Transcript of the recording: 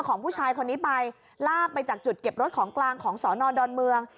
ของผู้ชายคนนี้ไปลากไปจากจุดเก็บรถของกลางของสอนอดอนเมือง